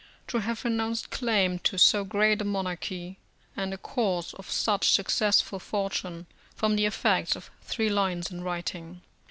To have renounced claim to so great a monarchy, and a course of such successful fortune, from the effects of three lines in writing!